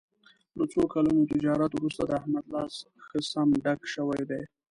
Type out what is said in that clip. له څو کلونو تجارت ورسته د احمد لاس ښه سم ډک شوی دی.